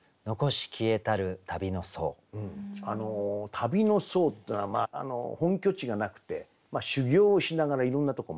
「旅の僧」っていうのは本拠地がなくて修行をしながらいろんなとこ回る。